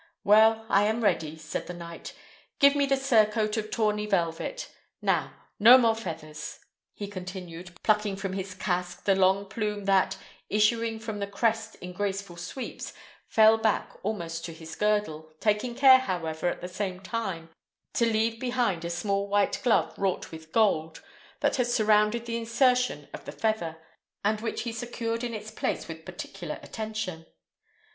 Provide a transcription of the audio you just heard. "Well, I am ready," said the knight; "give me the surcoat of tawny velvet. Now; no more feathers!" he continued, plucking from his casque the long plume that, issuing from the crest in graceful sweeps, fell back almost to his girdle, taking care, however, at the same time, to leave behind a small white glove wrought with gold, that had surrounded the insertion of the feather, and which he secured in its place with particular attention.